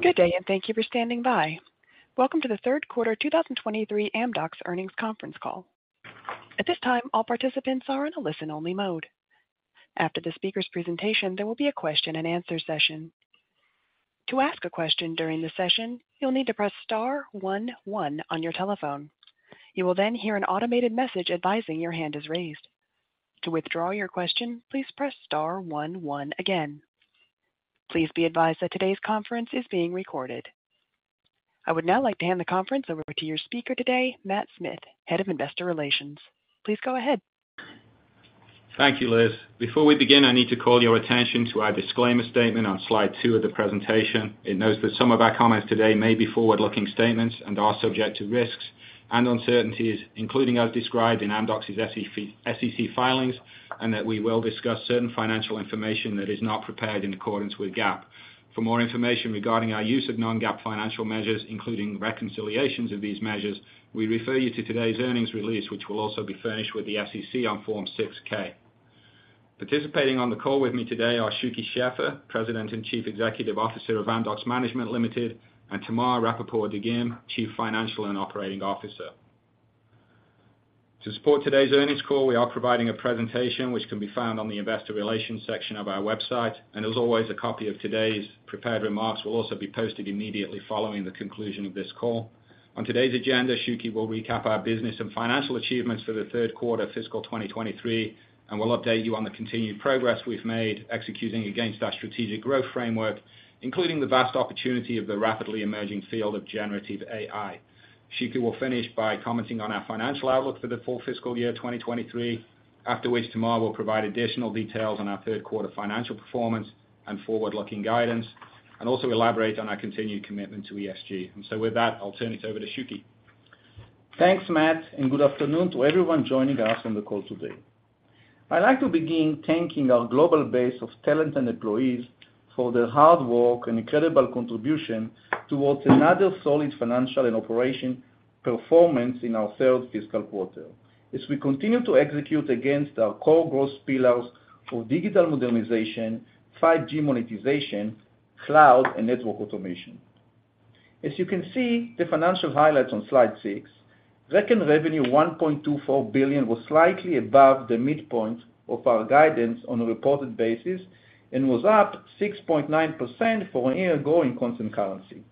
Good day, and thank you for standing by. Welcome to the Third Quarter 2023 Amdocs Earnings Conference Call. At this time, all participants are in a listen-only mode. After the speaker's presentation, there will be a question-and-answer session. To ask a question during the session, you'll need to press star one one on your telephone. You will then hear an automated message advising your hand is raised. To withdraw your question, please press star one one again. Please be advised that today's conference is being recorded. I would now like to hand the conference over to your speaker today, Matt Smith, Head of Investor Relations. Please go ahead. Thank you, Liz. Before we begin, I need to call your attention to our disclaimer statement on slide two of the presentation. It notes that some of our comments today may be forward-looking statements and are subject to risks and uncertainties, including as described in Amdocs' SEC, SEC filings, and that we will discuss certain financial information that is not prepared in accordance with GAAP. For more information regarding our use of non-GAAP financial measures, including reconciliations of these measures, we refer you to today's earnings release, which will also be furnished with the SEC on Form 6-K. Participating on the call with me today are Shuky Sheffer, President and Chief Executive Officer of Amdocs Management Limited, and Tamar Rapaport-Dagim, Chief Financial and Operating Officer. To support today's earnings call, we are providing a presentation which can be found on the Investor Relations section of our website, and as always, a copy of today's prepared remarks will also be posted immediately following the conclusion of this call. On today's agenda, Shuky will recap our business and financial achievements for the third quarter fiscal 2023, and we'll update you on the continued progress we've made executing against our strategic growth framework, including the vast opportunity of the rapidly emerging field of generative AI. Shuky will finish by commenting on our financial outlook for the full fiscal year 2023. After which, Tamar will provide additional details on our third quarter financial performance and forward-looking guidance, and also elaborate on our continued commitment to ESG. With that, I'll turn it over to Shuky. Thanks, Matt, and good afternoon to everyone joining us on the call today. I'd like to begin thanking our global base of talent and employees for their hard work and incredible contribution towards another solid financial and operation performance in our third fiscal quarter, as we continue to execute against our core growth pillars for digital modernization, 5G monetization, cloud, and network automation. As you can see, the financial highlights on slide six, record revenue $1.24 billion was slightly above the midpoint of our guidance on a reported basis and was up 6.9% from a year ago in constant currency.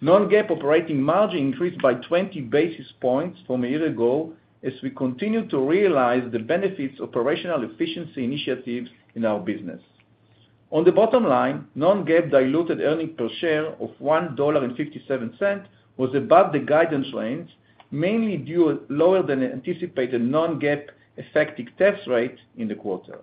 Non-GAAP operating margin increased by 20 basis points from a year ago, as we continue to realize the benefits of operational efficiency initiatives in our business. On the bottom line, non-GAAP diluted earnings per share of $1.57 was above the guidance range, mainly due lower than anticipated non-GAAP effective tax rate in the quarter.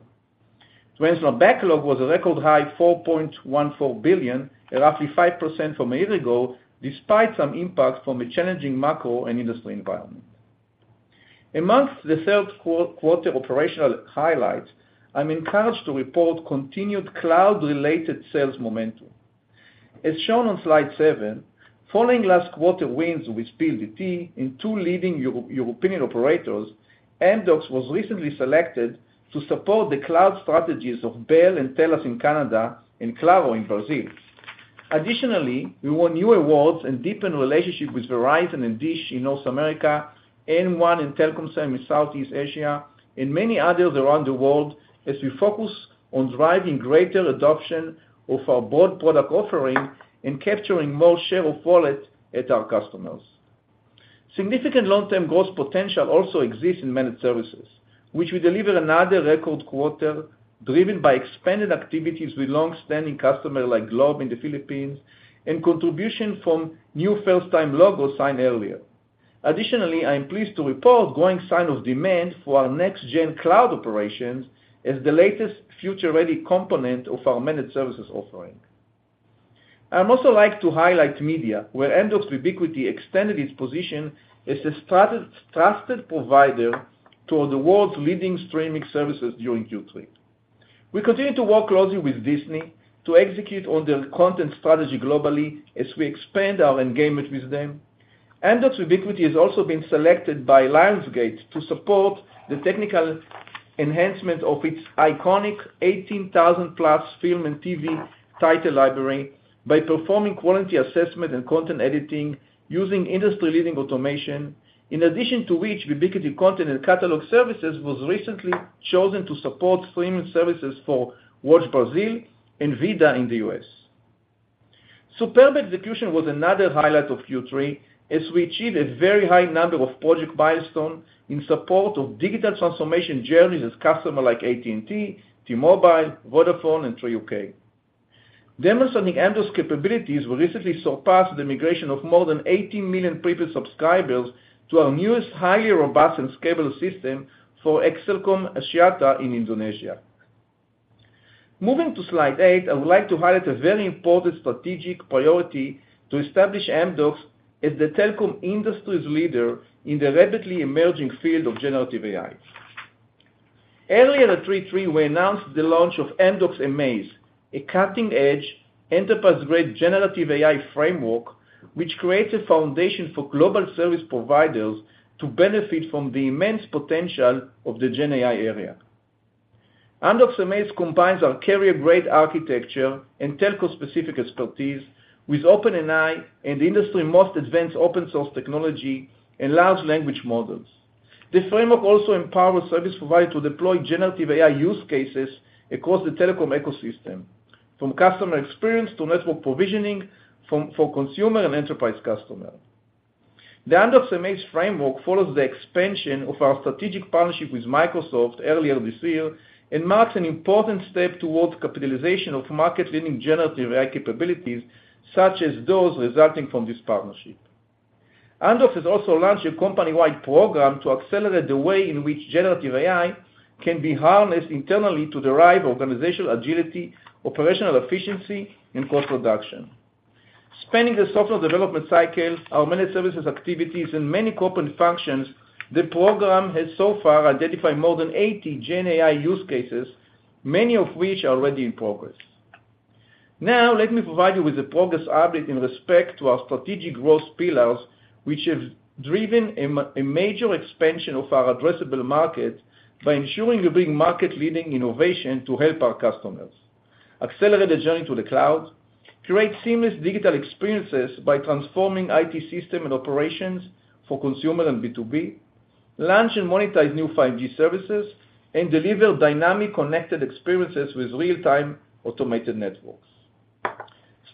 Transitional backlog was a record high $4.14 billion, at roughly 5% from a year ago, despite some impact from a challenging macro and industry environment. Amongst the third quarter operational highlights, I'm encouraged to report continued cloud-related sales momentum. As shown on slide seven, following last quarter wins with PLDT and two leading European operators, Amdocs was recently selected to support the cloud strategies of Bell and TELUS in Canada and Claro in Brazil. we won new awards and deepened relationship with Verizon and Dish in North America, M1 and Telkomsel in Southeast Asia, and many others around the world, as we focus on driving greater adoption of our broad product offering and capturing more share of wallet at our customers. Significant long-term growth potential also exists in managed services, which we deliver another record quarter, driven by expanded activities with long-standing customers like Globe in the Philippines and contribution from new first-time logos signed earlier. I am pleased to report growing sign of demand for our next-gen cloud operations as the latest future-ready component of our managed services offering. I would also like to highlight media, where Amdocs Vubiquity extended its position as a trusted provider to the world's leading streaming services during Q3. We continue to work closely with Disney to execute on their content strategy globally as we expand our engagement with them. Amdocs Vubiquity has also been selected by Lionsgate to support the technical enhancement of its iconic 18,000+ film and TV title library by performing quality assessment and content editing using industry-leading automation. In addition to which, Vubiquity Content and Catalog Services was recently chosen to support streaming services for Watch Brasil and Vida in the U.S. Superb execution was another highlight of Q3, as we achieved a very high number of project milestones in support of digital transformation journeys with customers like AT&T, T-Mobile, Vodafone, and Three U.K.. Demonstrating Amdocs' capabilities, we recently surpassed the migration of more than 18 million prepaid subscribers to our newest, highly robust and scalable system for XL Axiata in Indonesia. Moving to slide eight, I would like to highlight a very important strategic priority to establish Amdocs as the telecom industry's leader in the rapidly emerging field of generative AI. Earlier at 3/3, we announced the launch of Amdocs amAIz, a cutting-edge, enterprise-grade generative AI framework, which creates a foundation for global service providers to benefit from the immense potential of the GenAI area. Amdocs amAIz combines our carrier-grade architecture and telco-specific expertise with OpenAI and the industry's most advanced open source technology and large language models. This framework also empowers service providers to deploy generative AI use cases across the telecom ecosystem, from customer experience to network provisioning, from for consumer and enterprise customer. The Amdocs amAIz framework follows the expansion of our strategic partnership with Microsoft earlier this year. Marks an important step towards capitalization of market-leading generative AI capabilities, such as those resulting from this partnership. Amdocs has also launched a company-wide program to accelerate the way in which generative AI can be harnessed internally to derive organizational agility, operational efficiency, and cost reduction. Spanning the software development cycle, our managed services activities, and many corporate functions, the program has so far identified more than 80 Gen AI use cases, many of which are already in progress. Now, let me provide you with a progress update in respect to our strategic growth pillars, which have driven a major expansion of our addressable market by ensuring we bring market-leading innovation to help our customers accelerate the journey to the cloud, create seamless digital experiences by transforming IT system and operations for consumer and B2B, launch and monetize new 5G services, and deliver dynamic connected experiences with real-time automated networks.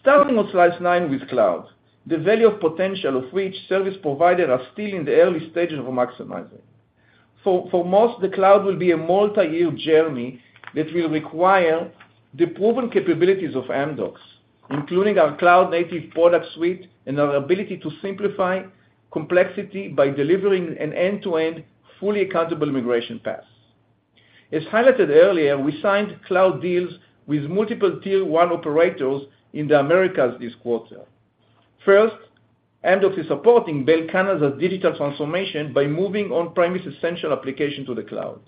Starting on slide nine with cloud, the value of potential of which service providers are still in the early stages of maximizing. For most, the cloud will be a multi-year journey that will require the proven capabilities of Amdocs, including our cloud-native product suite and our ability to simplify complexity by delivering an end-to-end, fully accountable immigration path. As highlighted earlier, we signed cloud deals with multiple Tier 1 operators in the Americas this quarter. First, Amdocs is supporting Bell Canada's digital transformation by moving on-premise essential application to the cloud.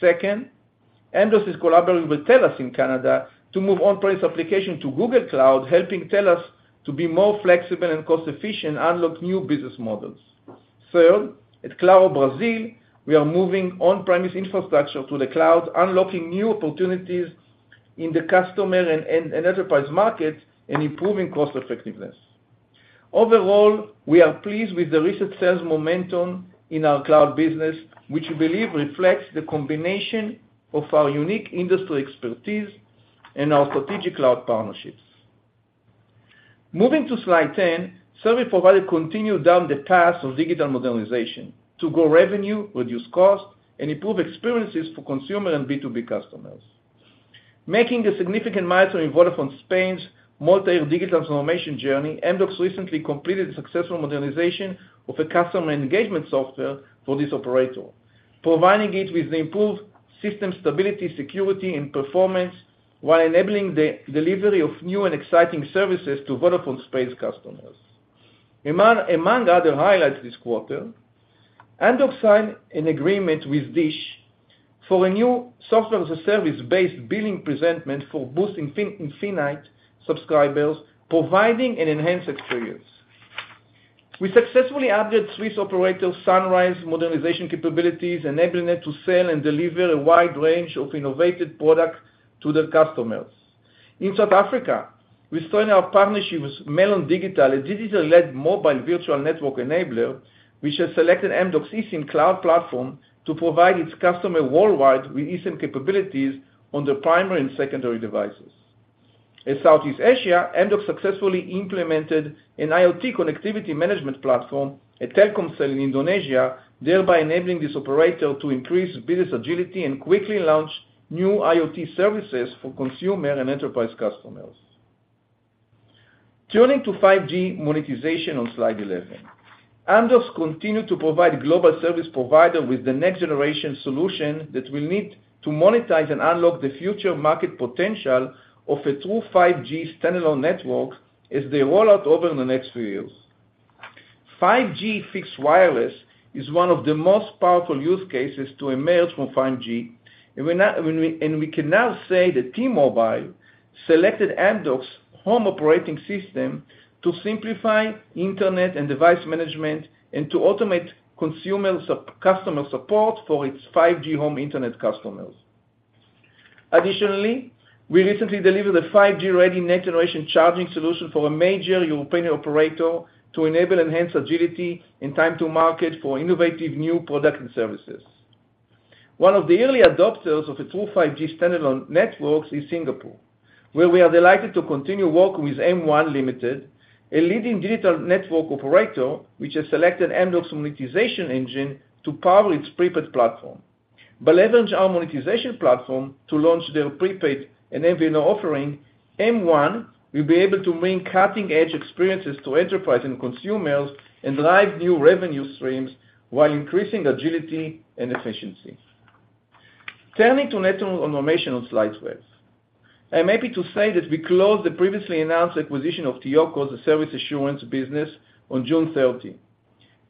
Second, Amdocs is collaborating with TELUS in Canada to move on-premise application to Google Cloud, helping TELUS to be more flexible and cost-efficient, unlock new business models. Third, at Claro Brazil, we are moving on-premise infrastructure to the cloud, unlocking new opportunities in the customer and, and, and enterprise market, and improving cost effectiveness. Overall, we are pleased with the recent sales momentum in our cloud business, which we believe reflects the combination of our unique industry expertise and our strategic cloud partnerships. Moving to Slide 10, service provider continued down the path of digital modernization to grow revenue, reduce cost, and improve experiences for consumer and B2B customers. Making a significant milestone in Vodafone Spain's multi-year digital transformation journey, Amdocs recently completed a successful modernization of a customer engagement software for this operator, providing it with the improved system stability, security, and performance, while enabling the delivery of new and exciting services to Vodafone Spain's customers. Among other highlights this quarter, Amdocs signed an agreement with Dish for a new software-as-a-service-based billing presentation for boosting infinite subscribers, providing an enhanced experience. We successfully added Swiss operator, Sunrise, modernization capabilities, enabling it to sell and deliver a wide range of innovative products to their customers. In South Africa, we strengthened our partnership with Melon Digital, a digital-led mobile virtual network enabler, which has selected Amdocs eSIM cloud platform to provide its customer worldwide with eSIM capabilities on their primary and secondary devices. In Southeast Asia, Amdocs successfully implemented an IoT connectivity management platform at Telkomsel in Indonesia, thereby enabling this operator to increase business agility and quickly launch new IoT services for consumer and enterprise customers. Turning to 5G monetization on slide 11. Amdocs continue to provide global service provider with the next-generation solution that we need to monetize and unlock the future market potential of a true 5G standalone network as they roll out over the next few years. 5G fixed wireless is one of the most powerful use cases to emerge from 5G, and we can now say that T-Mobile selected Amdocs' home operating system to simplify internet and device management, and to automate consumer customer support for its 5G home internet customers. Additionally, we recently delivered a 5G-ready, next-generation charging solution for a major European operator to enable enhanced agility and time to market for innovative new products and services. One of the early adopters of a true 5G standalone networks is Singapore, where we are delighted to continue working with M1 Limited, a leading digital network operator, which has selected Amdocs monetization engine to power its prepaid platform. By leverage our monetization platform to launch their prepaid and MVNO offering, M1 will be able to bring cutting-edge experiences to enterprise and consumers, and drive new revenue streams while increasing agility and efficiency. Turning to network automation on slide 12. I'm happy to say that we closed the previously announced acquisition of TEOCO, a service assurance business, on June 30,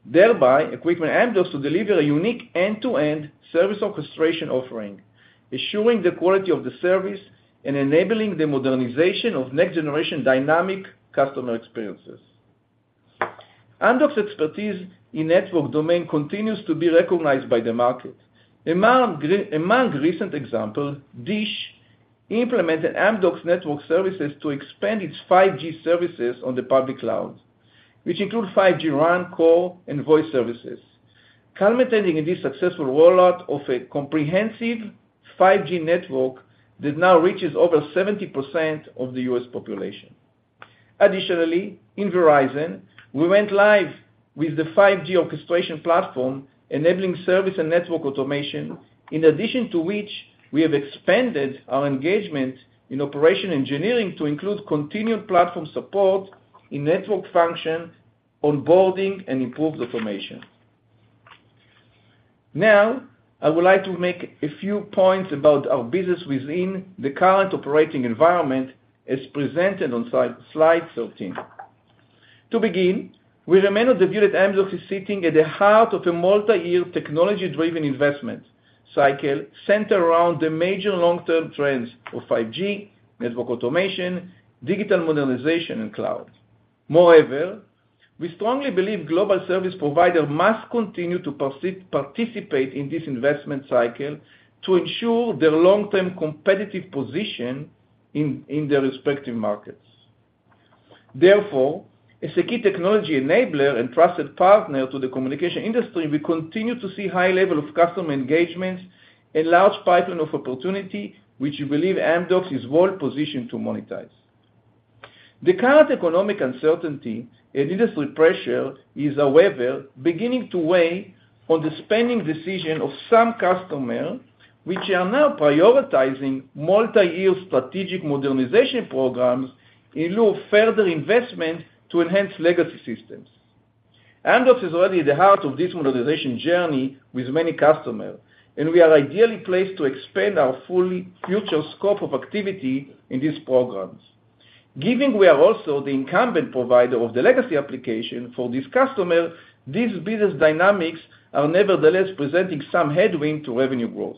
thereby equipping Amdocs to deliver a unique end-to-end service orchestration offering, ensuring the quality of the service and enabling the modernization of next-generation dynamic customer experiences. Amdocs expertise in network domain continues to be recognized by the market. Among recent example, Dish implemented Amdocs network services to expand its 5G services on the public cloud, which include 5G RAN, core, and voice services, culminating in this successful rollout of a comprehensive 5G network that now reaches over 70% of the U.S. population. Additionally, in Verizon, we went live with the 5G orchestration platform, enabling service and network automation, in addition to which we have expanded our engagement in operation engineering to include continued platform support in network function, onboarding, and improved automation. Now, I would like to make a few points about our business within the current operating environment, as presented on slide, slide 13. To begin, we remain of the view that Amdocs is sitting at the heart of a multi-year, technology-driven investment cycle, centered around the major long-term trends of 5G, network automation, digital modernization, and cloud. Moreover, we strongly believe global service providers must continue to participate in this investment cycle to ensure their long-term competitive position in, in their respective markets. Therefore, as a key technology enabler and trusted partner to the communication industry, we continue to see high level of customer engagement and large pipeline of opportunity, which we believe Amdocs is well-positioned to monetize. The current economic uncertainty and industry pressure is, however, beginning to weigh on the spending decision of some customers, which are now prioritizing multi-year strategic modernization programs in lieu of further investment to enhance legacy systems. Amdocs is already at the heart of this modernization journey with many customers, and we are ideally placed to expand our fully future scope of activity in these programs. Given we are also the incumbent provider of the legacy application for this customer, these business dynamics are nevertheless presenting some headwind to revenue growth.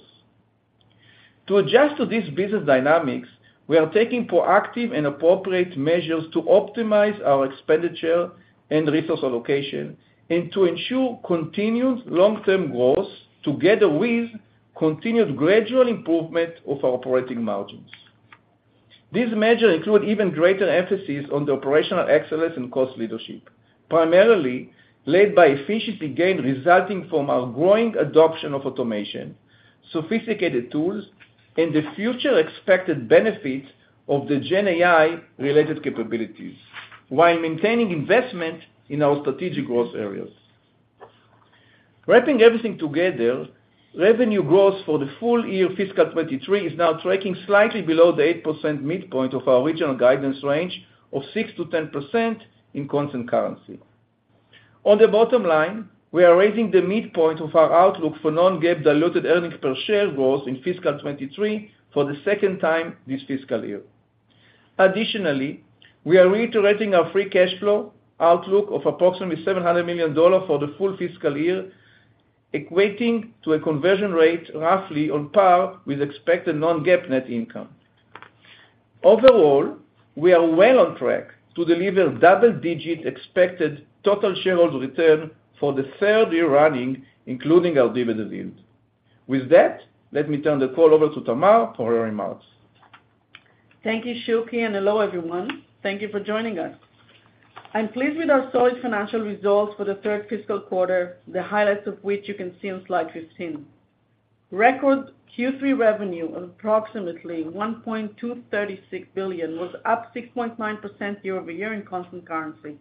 To adjust to these business dynamics, we are taking proactive and appropriate measures to optimize our expenditure and resource allocation, and to ensure continued long-term growth, together with continued gradual improvement of our operating margins. These measures include even greater emphasis on the operational excellence and cost leadership, primarily led by efficiency gain, resulting from our growing adoption of automation, sophisticated tools, and the future expected benefits of the Gen AI-related capabilities, while maintaining investment in our strategic growth areas. Wrapping everything together, revenue growth for the full year fiscal 2023 is now tracking slightly below the 8% midpoint of our original guidance range of 6%-10% in constant currency. On the bottom line, we are raising the midpoint of our outlook for Non-GAAP diluted earnings per share growth in fiscal 2023 for the second time this fiscal year. We are reiterating our free cash flow outlook of approximately $700 million for the full fiscal year, equating to a conversion rate roughly on par with expected Non-GAAP net income. Overall, we are well on track to deliver double-digit expected total shareholder return for the third year running, including our dividend yield. With that, let me turn the call over to Tamar for her remarks. Thank you, Shuky. Hello, everyone. Thank you for joining us. I'm pleased with our solid financial results for the third fiscal quarter, the highlights of which you can see on slide 15. Record Q3 revenue of approximately $1.236 billion was up 6.9% year-over-year in constant currency.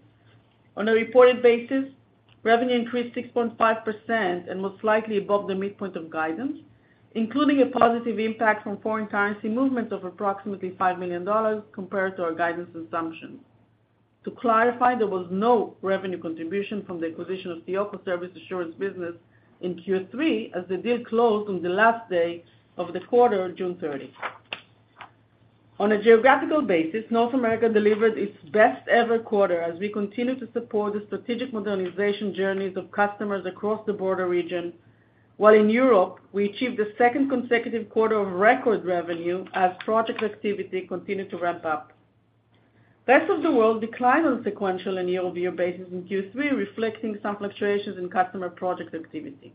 On a reported basis, revenue increased 6.5% and most likely above the midpoint of guidance, including a positive impact from foreign currency movements of approximately $5 million compared to our guidance assumptions. To clarify, there was no revenue contribution from the acquisition of TEOCO Service Assurance business in Q3, as the deal closed on the last day of the quarter, June 30. On a geographical basis, North America delivered its best-ever quarter as we continue to support the strategic modernization journeys of customers across the border region, while in Europe, we achieved the second consecutive quarter of record revenue as project activity continued to ramp up. Rest of the world declined on a sequential and year-over-year basis in Q3, reflecting some fluctuations in customer project activity.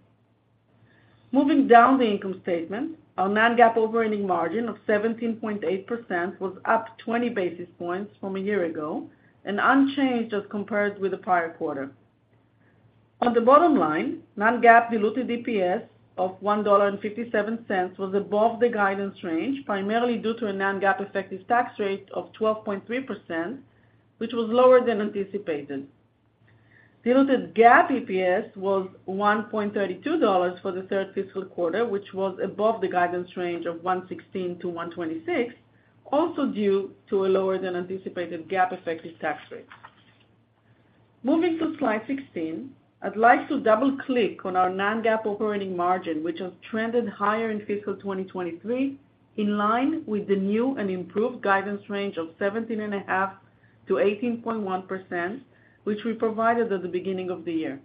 Moving down the income statement, our non-GAAP operating margin of 17.8% was up 20 basis points from a year ago and unchanged as compared with the prior quarter. On the bottom line, non-GAAP diluted EPS of $1.57 was above the guidance range, primarily due to a non-GAAP effective tax rate of 12.3%, which was lower than anticipated. Diluted GAAP EPS was $1.32 for the third fiscal quarter, which was above the guidance range of $1.16-$1.26, also due to a lower than anticipated GAAP effective tax rate. Moving to Slide 16, I'd like to double-click on our non-GAAP operating margin, which has trended higher in fiscal 2023, in line with the new and improved guidance range of 17.5%-18.1%, which we provided at the beginning of the year.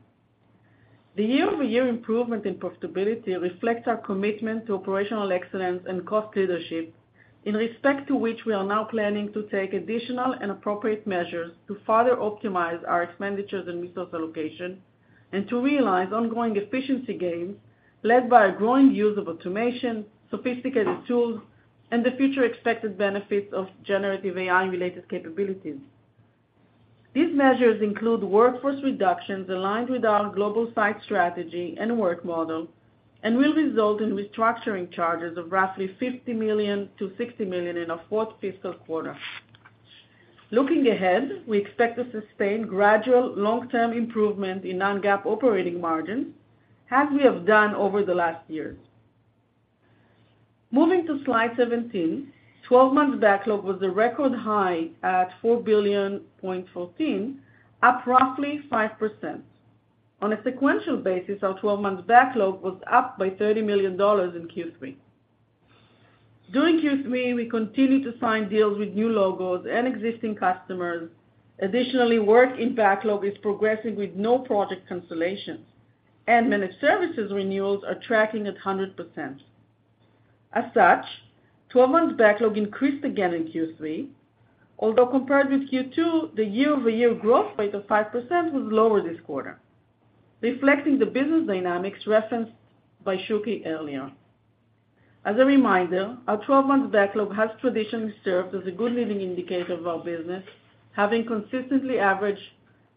The year-over-year improvement in profitability reflects our commitment to operational excellence and cost leadership, in respect to which we are now planning to take additional and appropriate measures to further optimize our expenditures and resource allocation, and to realize ongoing efficiency gains led by a growing use of automation, sophisticated tools, and the future expected benefits of generative AI-related capabilities. These measures include workforce reductions aligned with our global site strategy and work model. Will result in restructuring charges of roughly $50 million-$60 million in our fourth fiscal quarter. Looking ahead, we expect to sustain gradual long-term improvement in non-GAAP operating margin, as we have done over the last year. Moving to Slide 17, 12-month backlog was a record high at $4.014 billion, up roughly 5%. On a sequential basis, our 12-month backlog was up by $30 million in Q3. During Q3, we continued to sign deals with new logos and existing customers. Additionally, work in backlog is progressing with no project cancellations, and managed services renewals are tracking at 100%. As such, 12-month backlog increased again in Q3, although compared with Q2, the year-over-year growth rate of 5% was lower this quarter, reflecting the business dynamics referenced by Shuky earlier. As a reminder, our 12-month backlog has traditionally served as a good leading indicator of our business, having consistently averaged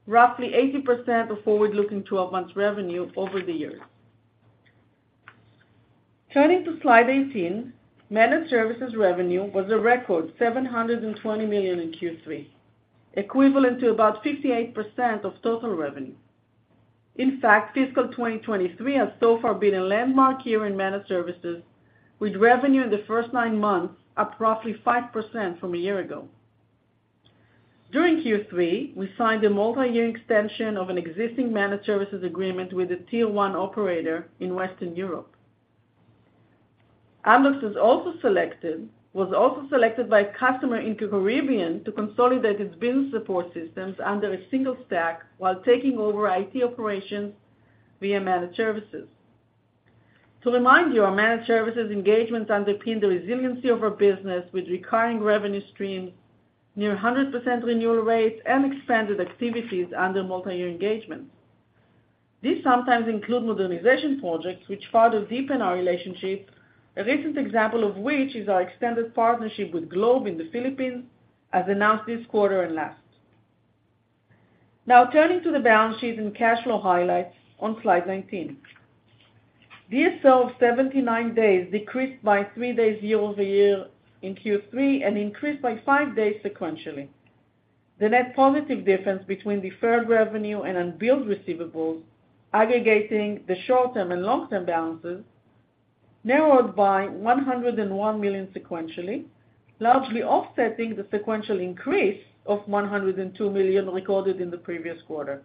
roughly 80% of forward-looking 12-month revenue over the years. Turning to Slide 18, managed services revenue was a record $720 million in Q3, equivalent to about 58% of total revenue. In fact, fiscal 2023 has so far been a landmark year in managed services, with revenue in the first nine months up roughly 5% from a year ago. During Q3, we signed a multi-year extension of an existing managed services agreement with a Tier 1 operator in Western Europe. Amdocs was also selected by a customer in Caribbean to consolidate its business support systems under a single stack while taking over IT operations via managed services. To remind you, our managed services engagements underpin the resiliency of our business with recurring revenue streams, near 100% renewal rates, and expanded activities under multi-year engagements. These sometimes include modernization projects, which further deepen our relationship, a recent example of which is our extended partnership with Globe in the Philippines, as announced this quarter and last. Now, turning to the balance sheet and cash flow highlights on Slide 19. DSO of 79 days decreased by three days year-over-year in Q3 and increased by 5 days sequentially. The net positive difference between deferred revenue and unbilled receivables, aggregating the short-term and long-term balances, narrowed by $101 million sequentially, largely offsetting the sequential increase of $102 million recorded in the previous quarter.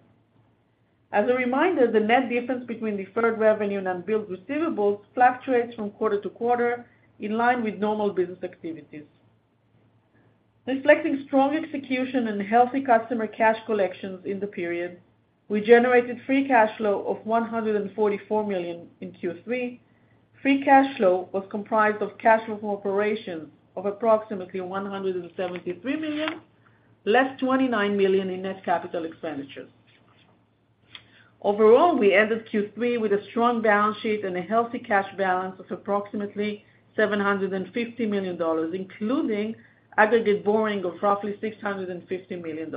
As a reminder, the net difference between deferred revenue and unbilled receivables fluctuates from quarter to quarter in line with normal business activities. Reflecting strong execution and healthy customer cash collections in the period, we generated free cash flow of $144 million in Q3. Free cash flow was comprised of cash from operations of approximately $173 million, less $29 million in net capital expenditures. Overall, we ended Q3 with a strong balance sheet and a healthy cash balance of approximately $750 million, including aggregate borrowing of roughly $650 million.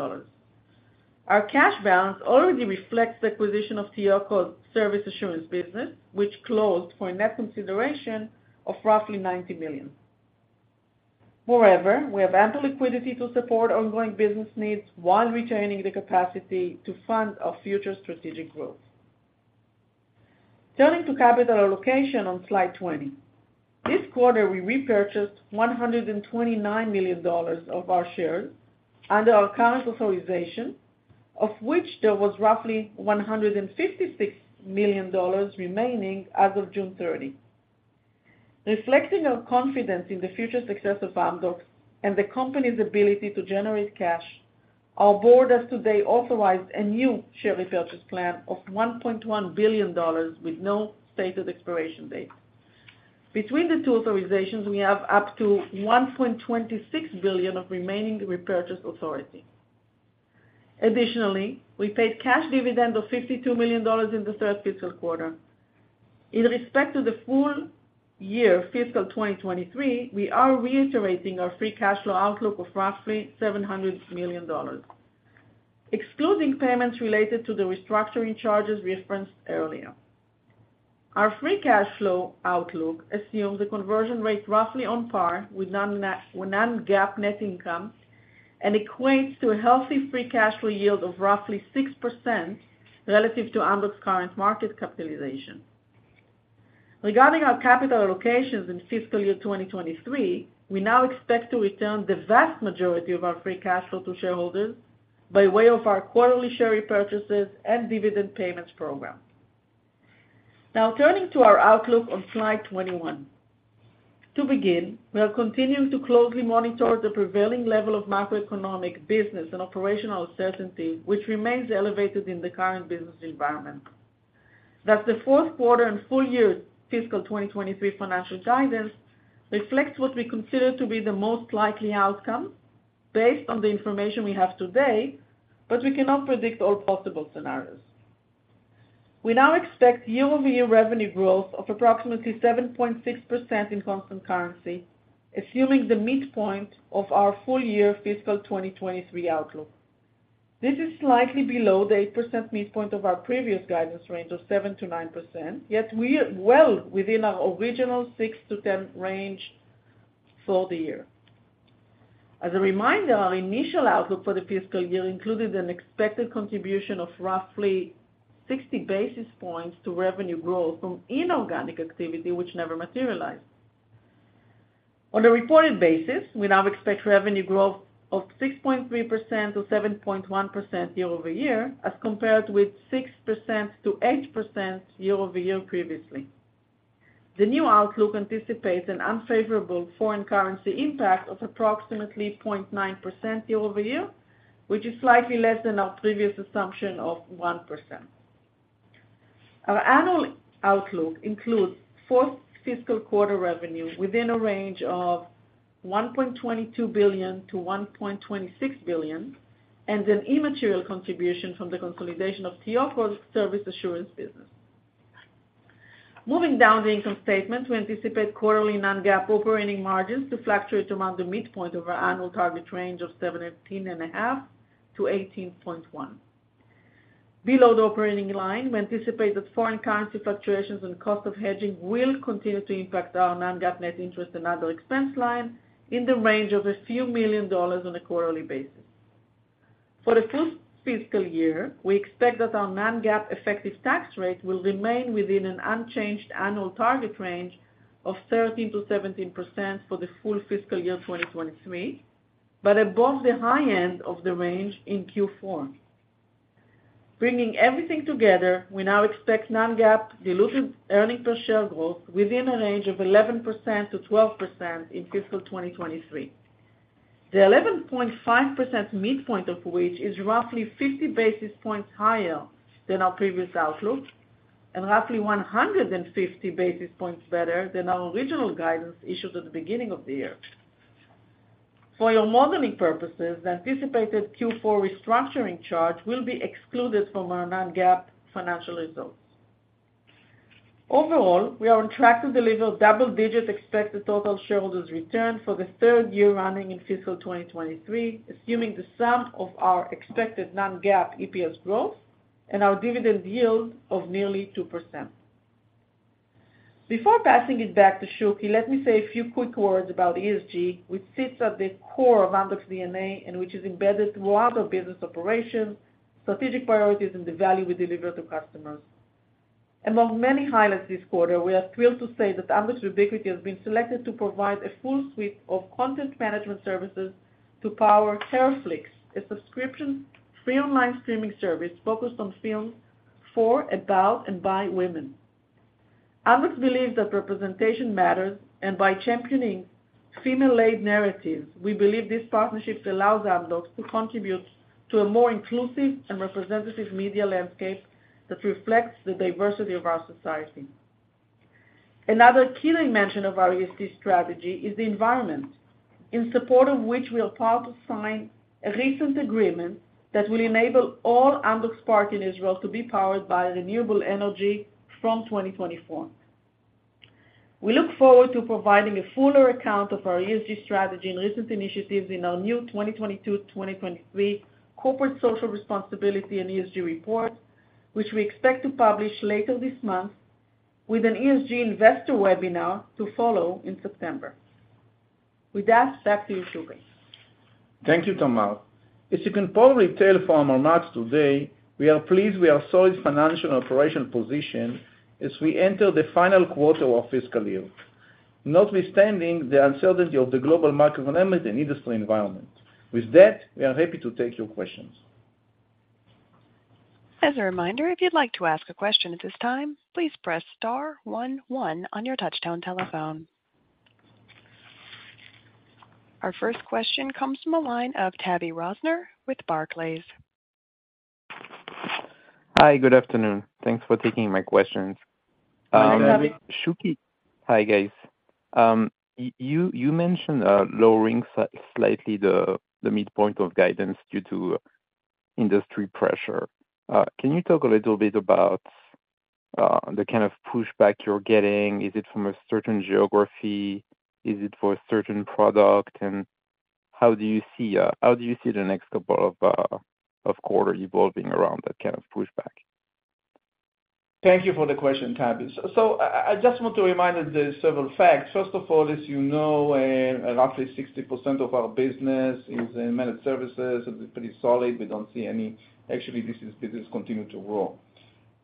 Our cash balance already reflects the acquisition of TEOCO Service Assurance business, which closed for a net consideration of roughly $90 million. Moreover, we have ample liquidity to support ongoing business needs while retaining the capacity to fund our future strategic growth. Turning to capital allocation on Slide 20. This quarter, we repurchased $129 million of our shares under our current authorization, of which there was roughly $156 million remaining as of June 30. Reflecting our confidence in the future success of Amdocs and the company's ability to generate cash, our board has today authorized a new share repurchase plan of $1.1 billion with no stated expiration date. Between the two authorizations, we have up to $1.26 billion of remaining repurchase authority. We paid cash dividend of $52 million in the third fiscal quarter. In respect to the full year fiscal 2023, we are reiterating our free cash flow outlook of roughly $700 million, excluding payments related to the restructuring charges referenced earlier. Our free cash flow outlook assumes a conversion rate roughly on par with non-GAAP net income and equates to a healthy free cash flow yield of roughly 6% relative to Amdocs' current market capitalization. Regarding our capital allocations in fiscal year 2023, we now expect to return the vast majority of our free cash flow to shareholders by way of our quarterly share repurchases and dividend payments program. Turning to our outlook on Slide 21. To begin, we are continuing to closely monitor the prevailing level of macroeconomic business and operational uncertainty, which remains elevated in the current business environment. The fourth quarter and full year fiscal 2023 financial guidance reflects what we consider to be the most likely outcome, based on the information we have today, but we cannot predict all possible scenarios. We now expect year-over-year revenue growth of approximately 7.6% in constant currency, assuming the midpoint of our full year fiscal 2023 outlook. This is slightly below the 8% midpoint of our previous guidance range of 7%-9%, yet we are well within our original 6%-10% range for the year. As a reminder, our initial outlook for the fiscal year included an expected contribution of roughly 60 basis points to revenue growth from inorganic activity, which never materialized. On a reported basis, we now expect revenue growth of 6.3%-7.1% year-over-year, as compared with 6%-8% year-over-year previously. The new outlook anticipates an unfavorable foreign currency impact of approximately 0.9% year-over-year, which is slightly less than our previous assumption of 1%. Our annual outlook includes fourth fiscal quarter revenue within a range of $1.22 billion-$1.26 billion, and an immaterial contribution from the consolidation of TEOCO's service assurance business. Moving down the income statement, we anticipate quarterly non-GAAP operating margins to fluctuate around the midpoint of our annual target range of 17.5%-18.1%. Below the operating line, we anticipate that foreign currency fluctuations and cost of hedging will continue to impact our non-GAAP net interest and other expense line in the range of a few million dollars on a quarterly basis. For the full fiscal year, we expect that our non-GAAP effective tax rate will remain within an unchanged annual target range of 13%-17% for the full fiscal year 2023, but above the high end of the range in Q4. Bringing everything together, we now expect non-GAAP diluted earnings per share growth within a range of 11%-12% in fiscal 2023. The 11.5% midpoint of which is roughly 50 basis points higher than our previous outlook, and roughly 150 basis points better than our original guidance issued at the beginning of the year. For your modeling purposes, the anticipated Q4 restructuring charge will be excluded from our non-GAAP financial results. Overall, we are on track to deliver double-digit expected total shareholders return for the third year running in fiscal 2023, assuming the sum of our expected non-GAAP EPS growth and our dividend yield of nearly 2%. Before passing it back to Shuky, let me say a few quick words about ESG, which sits at the core of Amdocs DNA and which is embedded throughout our business operations, strategic priorities, and the value we deliver to customers. Among many highlights this quarter, we are thrilled to say that Amdocs Vubiquity has been selected to provide a full suite of content management services to power Herflix, a subscription-free online streaming service focused on films for, about, and by women. Amdocs believes that representation matters, and by championing female-led narratives, we believe this partnership allows Amdocs to contribute to a more inclusive and representative media landscape that reflects the diversity of our society. Another key dimension of our ESG strategy is the environment, in support of which we are proud to sign a recent agreement that will enable all Amdocs park in Israel to be powered by renewable energy from 2024. We look forward to providing a fuller account of our ESG strategy and recent initiatives in our new 2022, 2023 corporate social responsibility and ESG report, which we expect to publish later this month, with an ESG investor webinar to follow in September. With that, back to you, Shuky. Thank you, Tamar. As you can probably tell from our remarks today, we are pleased with our solid financial and operational position as we enter the final quarter of fiscal year, notwithstanding the uncertainty of the global market dynamic and industry environment. With that, we are happy to take your questions. As a reminder, if you'd like to ask a question at this time, please press star 11 on your touchtone telephone. Our first question comes from the line of Tavy Rosner with Barclays. Hi, good afternoon. Thanks for taking my questions. Hi, Tavy. Shuky, Hi, guys. You mentioned lowering slightly the midpoint of guidance due to industry pressure. Can you talk a little bit about the kind of pushback you're getting? Is it from a certain geography? Is it for a certain product? How do you see how do you see the next couple of quarter evolving around that kind of pushback? Thank you for the question, Tavy. I just want to remind that there are several facts. First of all, as you know, roughly 60% of our business is in managed services. It's pretty solid. We don't see. Actually, this is business continue to grow.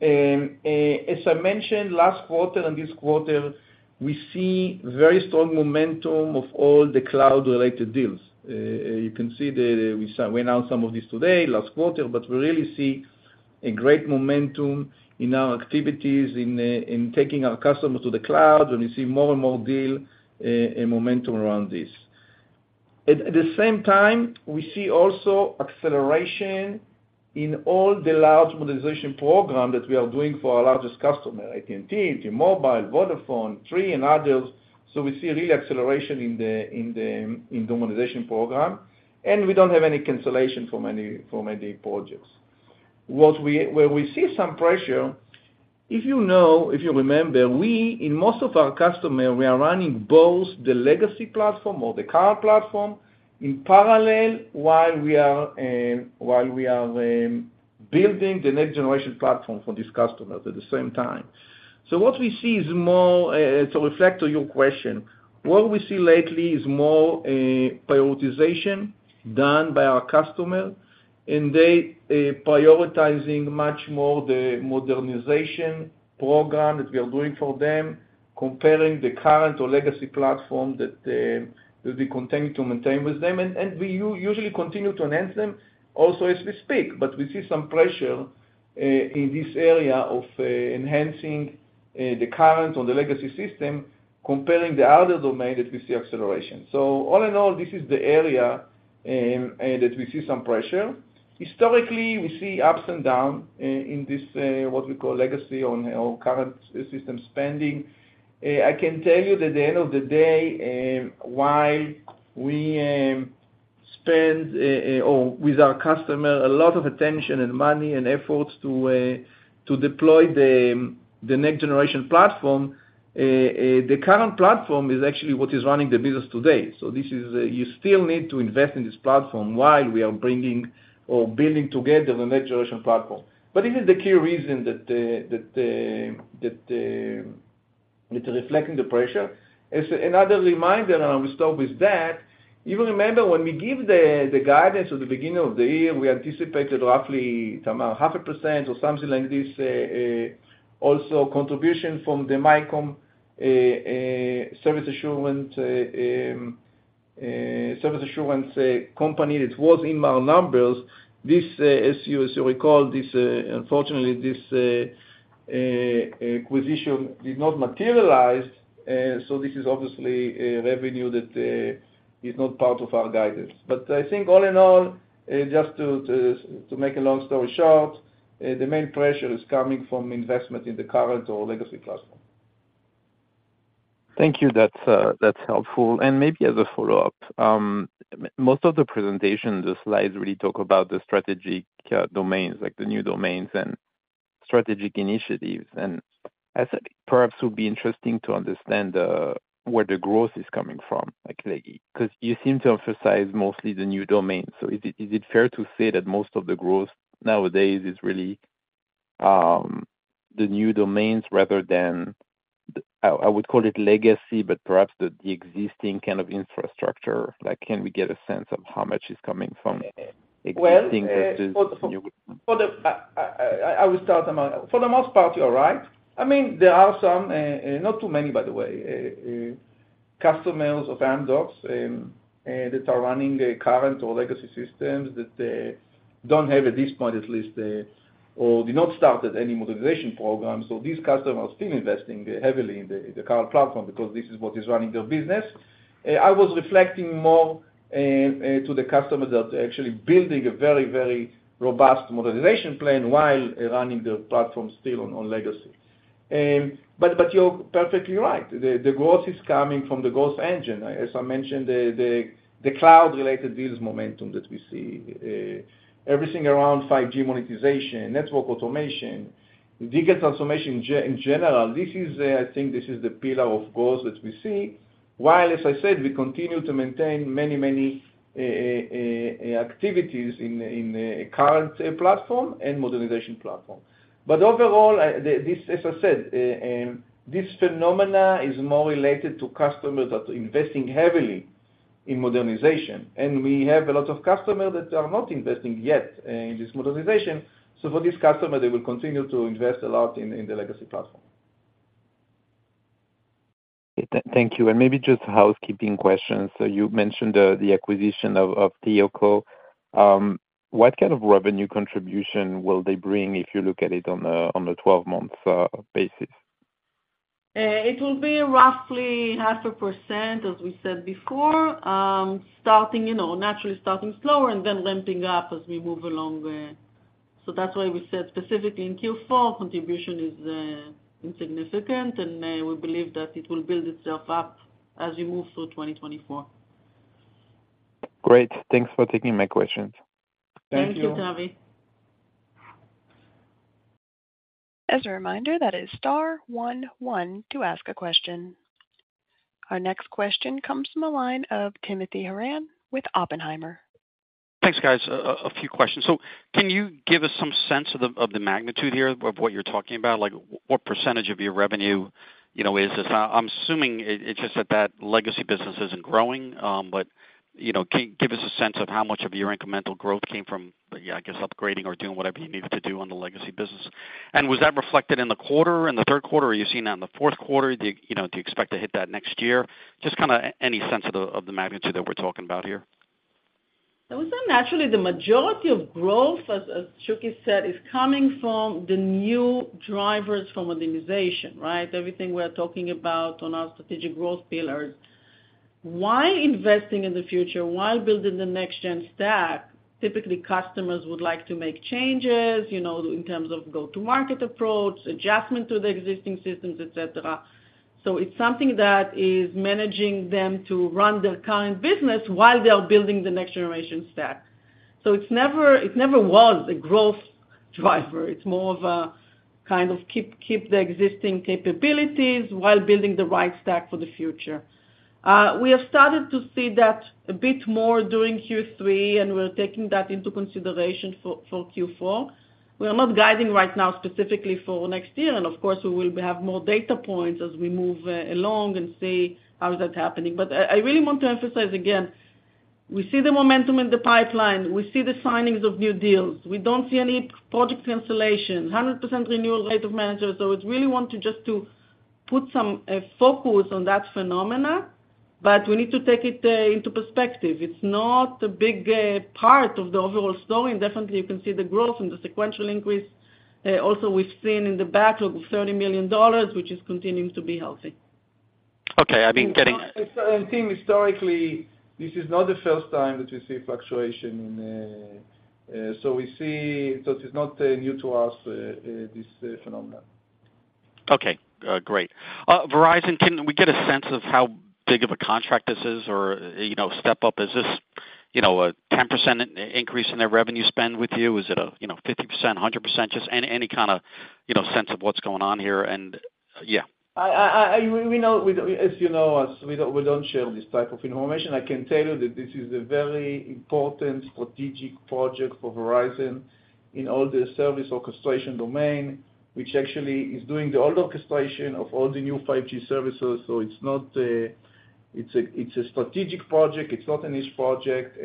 As I mentioned, last quarter and this quarter, we see very strong momentum of all the cloud-related deals. You can see that we announced some of these today, last quarter, but we really see a great momentum in our activities in taking our customers to the cloud, and we see more and more deal in momentum around this. At the same time, we see also acceleration in all the large modernization program that we are doing for our largest customer, AT&T, T-Mobile, Vodafone, Three, and others. We see a real acceleration in the modernization program, and we don't have any cancellation from any projects. Where we see some pressure, if you know, if you remember, we, in most of our customer, we are running both the legacy platform or the current platform in parallel, while we are building the next generation platform for these customers at the same time. What we see is more, to reflect on your question, what we see lately is more prioritization done by our customer, and they prioritizing much more the modernization program that we are doing for them, comparing the current or legacy platform that we continue to maintain with them. We usually continue to enhance them also as we speak. We see some pressure in this area of enhancing the current or the legacy system, comparing the other domain that we see acceleration. All in all, this is the area that we see some pressure. Historically, we see ups and down in this what we call legacy on or current system spending. I can tell you that at the end of the day, while we spend or with our customer, a lot of attention and money and efforts to deploy the next generation platform, the current platform is actually what is running the business today. This is, you still need to invest in this platform while we are bringing or building together the next generation platform. This is the key reason that the, that the, that the, it's reflecting the pressure. As another reminder, and I will stop with that, you remember when we give the, the guidance at the beginning of the year, we anticipated roughly about 0.5% or something like this, also contribution from the MYCOM service assurance, service assurance company that was in our numbers. This, as you, as you recall, this, unfortunately, this acquisition did not materialize, so this is obviously a revenue that is not part of our guidance. I think all in all, just to, to, to make a long story short, the main pressure is coming from investment in the current or legacy platform. Thank you. That's helpful. Maybe as a follow-up, most of the presentation, the slides really talk about the strategic domains, like the new domains and strategic initiatives. I think perhaps it would be interesting to understand where the growth is coming from. Like, like, 'cause you seem to emphasize mostly the new domains. Is it, is it fair to say that most of the growth nowadays is really the new domains rather than, I, I would call it legacy, but perhaps the, the existing kind of infrastructure? Like, can we get a sense of how much is coming from existing versus new? Well, I, I, I will start. For the most part, you are right. I mean, there are some, not too many, by the way, customers of Amdocs that are running a current or legacy systems that don't have, at this point, at least, or did not start at any modernization program. These customers are still investing heavily in the current platform because this is what is running their business. I was reflecting more to the customer that actually building a very, very robust modernization plan while running the platform still on legacy. But you're perfectly right. The growth is coming from the growth engine. As I mentioned, the, the, the cloud-related business momentum that we see, everything around 5G monetization, network automation, digital transformation in general, this is, I think this is the pillar of growth that we see, while, as I said, we continue to maintain many, many activities in, in the current platform and modernization platform. Overall, the, this, as I said, this phenomena is more related to customers that are investing heavily in modernization, and we have a lot of customers that are not investing yet in this modernization. For this customer, they will continue to invest a lot in, in the legacy platform. Thank you. Maybe just housekeeping questions. You mentioned the acquisition of TEOCO. What kind of revenue contribution will they bring if you look at it on a 12-month basis? It will be roughly 0.5%, as we said before, starting, you know, naturally starting slower and then ramping up as we move along the... That's why we said specifically in Q4, contribution is insignificant, and we believe that it will build itself up as we move through 2024. Great. Thanks for taking my questions. Thank you. Thank you, Tavy. As a reminder, that is star one one to ask a question. Our next question comes from the line of Timothy Horan with Oppenheimer. Thanks, guys. few questions. Can you give us some sense of the, of the magnitude here of what you're talking about? Like, what percentage of your revenue, you know, is this? I'm assuming it's just that that legacy business isn't growing, but, you know, give us a sense of how much of your incremental growth came from, yeah, I guess, upgrading or doing whatever you needed to do on the legacy business. And was that reflected in the quarter, in the third quarter, or are you seeing that in the fourth quarter? Do you, you know, do you expect to hit that next year? Just kinda any sense of the, of the magnitude that we're talking about here. Naturally, the majority of growth, as Shuky said, is coming from the new drivers for modernization, right? Everything we're talking about on our strategic growth pillars. While investing in the future, while building the next-gen stack, typically, customers would like to make changes, you know, in terms of go-to-market approach, adjustment to the existing systems, et cetera. It's something that is managing them to run their current business while they are building the next generation stack. It's never, it never was a growth driver. It's more of a kind of keep, keep the existing capabilities while building the right stack for the future. We have started to see that a bit more during Q3, and we're taking that into consideration for, for Q4. We are not guiding right now, specifically for next year, and of course, we will have more data points as we move along and see how that's happening. I, I really want to emphasize, again, we see the momentum in the pipeline, we see the signings of new deals. We don't see any project cancellation, 100% renewal rate of managers. It's really want to just to put some focus on that phenomena, but we need to take it into perspective. It's not a big part of the overall story. Definitely, you can see the growth and the sequential increase. Also, we've seen in the backlog of $30 million, which is continuing to be healthy. Okay, I've been. and Tim, historically, this is not the first time that we see fluctuation in. So we see, so it's not new to us, this phenomenon. Okay, great. Verizon, can we get a sense of how big of a contract this is, or, you know, step up? Is this, you know, a 10% increase in their revenue spend with you? Is it a, you know, 50%, 100%, just any, any kinda, you know, sense of what's going on here, and, yeah. I, we know, as you know, as we don't, we don't share this type of information, I can tell you that this is a very important strategic project for Verizon in all the service orchestration domain, which actually is doing the old orchestration of all the new 5G services. It's a, it's a strategic project. It's not a niche project.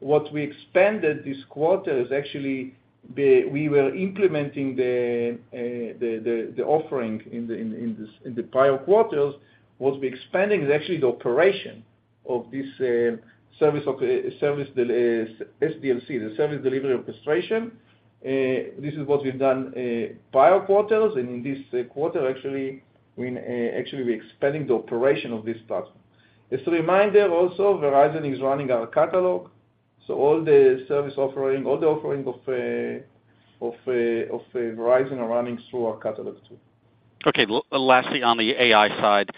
What we expanded this quarter is actually, we were implementing the offering in the prior quarters. What we expanding is actually the operation of this service of service, the SDLC, the Service Delivery Orchestration. This is what we've done prior quarters, and in this quarter, actually, we actually we expanding the operation of this platform. Just a reminder, also, Verizon is running our catalog, so all the service offering, all the offering of Verizon are running through our catalog, too. Okay, lastly, on the AI side,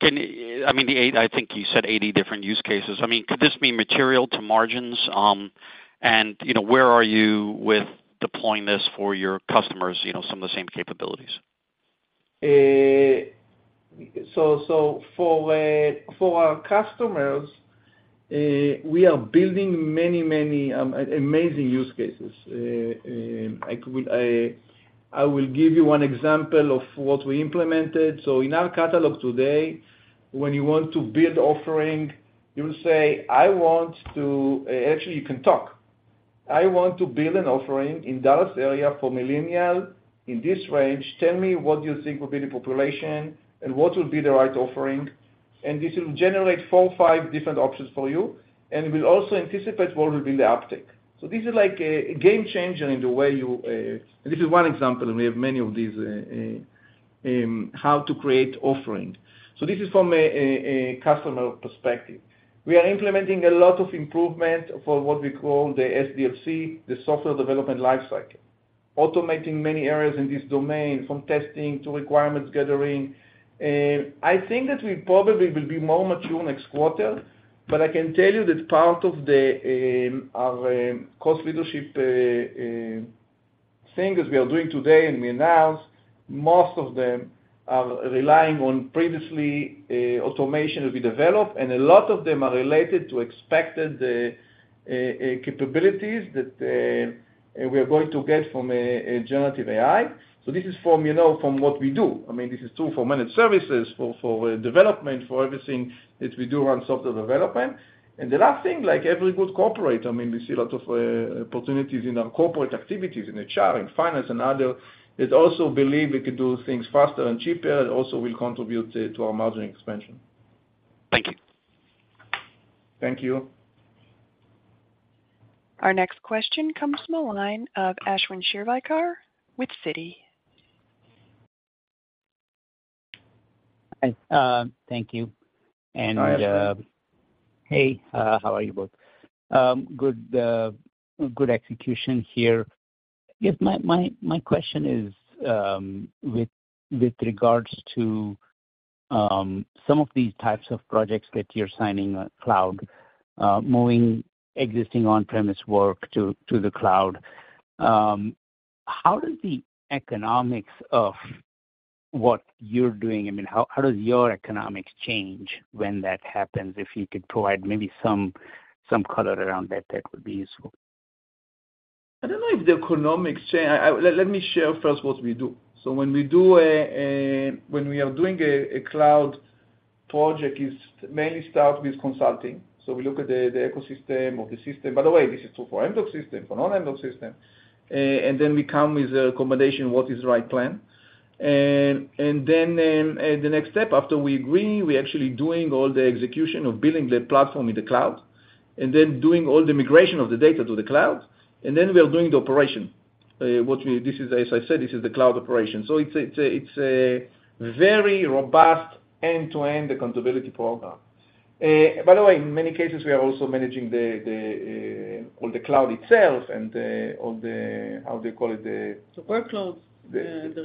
can, I mean, the 8, I think you said 80 different use cases. I mean, could this be material to margins? You know, where are you with deploying this for your customers, you know, some of the same capabilities? For our customers, we are building many, many amazing use cases. I will give you one example of what we implemented. In our catalog today, when you want to build offering, you say, "I want to..." Actually, you can talk. "I want to build an offering in Dallas area for millennial in this range. Tell me, what you think will be the population and what will be the right offering?" This will generate four, five different options for you, and it will also anticipate what will be the uptick. This is like a game changer in the way you... This is one example, and we have many of these how to create offering. This is from a customer perspective. We are implementing a lot of improvement for what we call the SDLC, the Software Development Lifecycle, automating many areas in this domain, from testing to requirements gathering. I think that we probably will be more mature next quarter, but I can tell you that part of the our cost leadership things we are doing today and we announce, most of them are relying on previously automation that we developed, and a lot of them are related to expected capabilities that we are going to get from a generative AI. This is from, you know, from what we do. I mean, this is true for managed services, for, for development, for everything that we do around software development. The last thing, like every good corporate, I mean, we see a lot of opportunities in our corporate activities, in the HR, in finance and other, that also believe we can do things faster and cheaper, and also will contribute to our margin expansion. Thank you. Thank you. Our next question comes from the line of Ashwin Shirvaikar with Citi. Hi, thank you. Hi, Ashwin. Hey, how are you both? Good, good execution here. I guess my, my, my question is, with, with regards to, some of these types of projects that you're signing on cloud, moving existing on-premise work to, to the cloud, how does the economics of what you're doing, I mean, how, how does your economics change when that happens? If you could provide maybe some, some color around that, that would be useful. I don't know if the economics change. Let me share first what we do. When we do a, when we are doing a, a cloud project, it's mainly start with consulting. We look at the ecosystem of the system. By the way, this is true for end of system, for non-end of system. Then we come with a combination, what is the right plan. Then the next step after we agree, we're actually doing all the execution of building the platform in the cloud, and then doing all the migration of the data to the cloud, and then we are doing the operation. What we, this is, as I said, this is the cloud operation. It's a, it's a very robust end-to-end accountability program. By the way, in many cases, we are also managing the, the, all the cloud itself and the, all the, how they call it... The workloads, yeah. The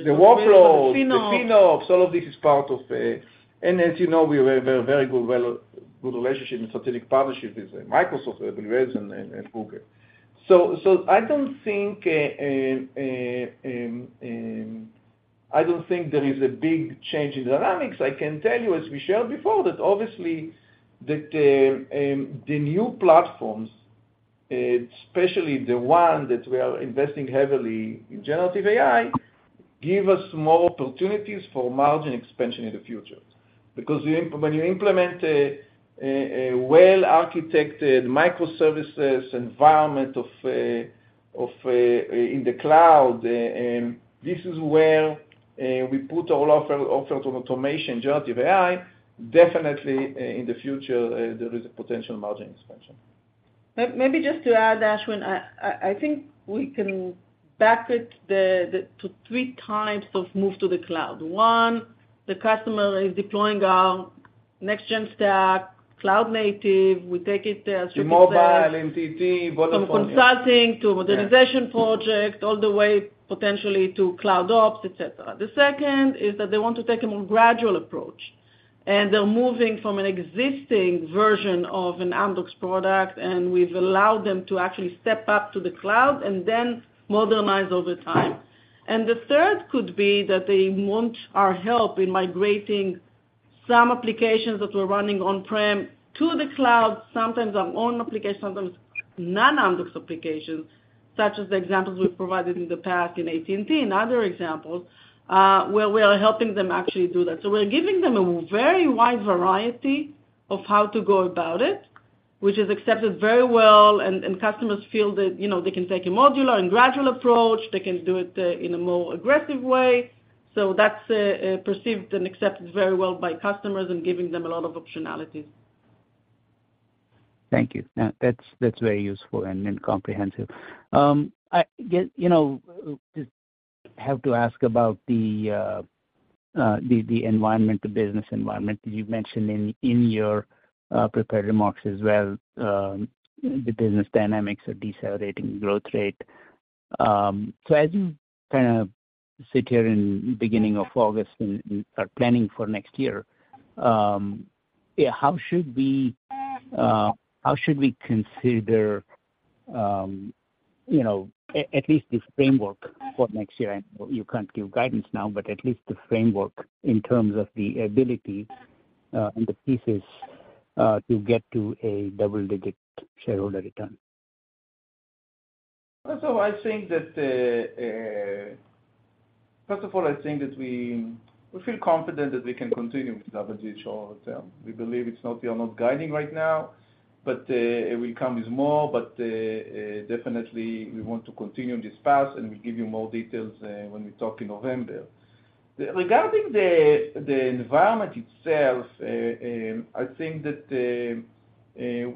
workloads. The phenoms. The phenoms, all of this is part of. As you know, we have a very good, well, good relationship and strategic partnership with Microsoft Azure and Google. I don't think there is a big change in dynamics. I can tell you, as we shared before, that obviously, that the new platforms, especially the one that we are investing heavily in generative AI, give us more opportunities for margin expansion in the future. When you implement a well-architected microservices environment in the cloud, this is where we put all offers on automation, generative AI, definitely in the future, there is a potential margin expansion. Maybe just to add, Ashwin, I think we can back it to three types of move to the cloud. One, the customer is deploying our next-gen stack, cloud-native. We take it as- The mobile, NTT, Vodafone. From consulting to modernization project, all the way, potentially to cloud ops, et cetera. The second is that they want to take a more gradual approach, they're moving from an existing version of an Amdocs product, and we've allowed them to actually step up to the cloud and then modernize over time. The third could be that they want our help in migrating some applications that were running on-prem to the cloud, sometimes our own application, sometimes non-Amdocs applications, such as the examples we've provided in the past in AT&T and other examples, where we are helping them actually do that. We're giving them a very wide variety of how to go about it, which is accepted very well, and customers feel that, you know, they can take a modular and gradual approach, they can do it in a more aggressive way. That's perceived and accepted very well by customers and giving them a lot of optionalities. Thank you. Now, that's, that's very useful and, and comprehensive. I get... You know, just have to ask about the, the, the environmental, business environment that you mentioned in, in your, prepared remarks as well, the business dynamics, the decelerating growth rate. As you, kind of, sit here in beginning of August and, and are planning for next year, yeah, how should we, how should we consider, you know, at, at least this framework for next year? I know you can't give guidance now, but at least the framework in terms of the ability, and the pieces, to get to a double-digit shareholder return. I think that, first of all, I think that we, we feel confident that we can continue with double-digit share term. We believe it's not, we are not guiding right now, but it will come with more, but definitely we want to continue on this path, and we'll give you more details when we talk in November. Regarding the, the environment itself, I think that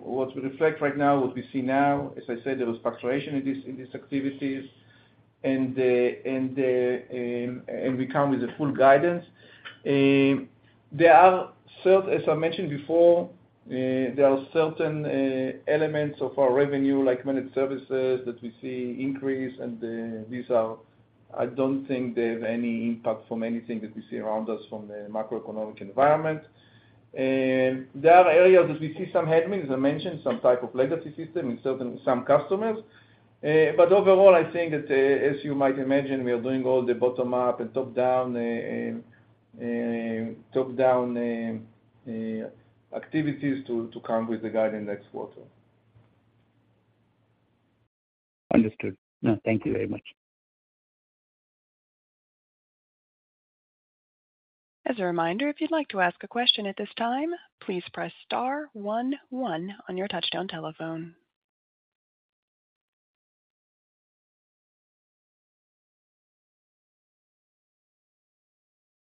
what we reflect right now, what we see now, as I said, there was fluctuation in this, in this activities, and we come with a full guidance. There are certain, as I mentioned before, there are certain elements of our revenue, like managed services, that we see increase, and these are... have any impact from anything that we see around us from the macroeconomic environment. There are areas that we see some headwind, as I mentioned, some type of legacy system in certain, some customers. But overall, I think that, as you might imagine, we are doing all the bottom-up and top-down activities to come with the guide in next quarter Understood. No, thank you very much. As a reminder, if you'd like to ask a question at this time, please press star one one on your touchtone telephone.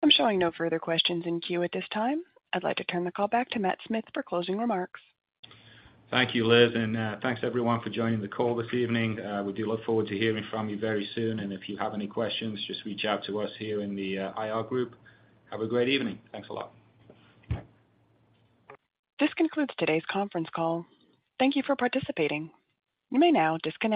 I'm showing no further questions in queue at this time. I'd like to turn the call back to Matt Smith for closing remarks. Thank you, Liz, and thanks everyone for joining the call this evening. We do look forward to hearing from you very soon, and if you have any questions, just reach out to us here in the IR group. Have a great evening. Thanks a lot. This concludes today's conference call. Thank you for participating. You may now disconnect.